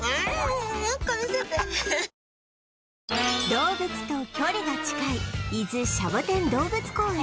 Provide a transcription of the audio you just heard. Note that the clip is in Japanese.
動物と距離が近い伊豆シャボテン動物公園